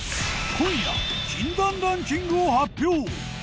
今夜禁断ランキングを発表。